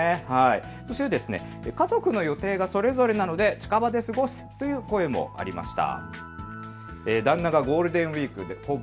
そして家族の予定がそれぞれなので近場で過ごすという声もありました。